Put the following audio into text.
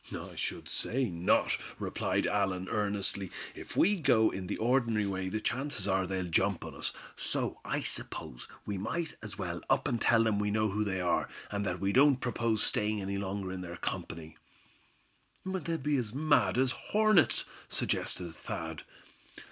"I should say not," replied Allan earnestly. "If we go in the ordinary way the chances are they'll jump on us. So I suppose we might as well up and tell them we know who they are, and that we don't propose staying any longer in their company." "They'll be as mad as hornets," suggested Thad.